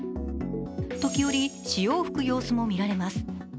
時折、潮を吹く様子もみられます。